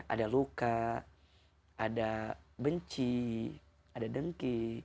ada luka ada benci ada dengki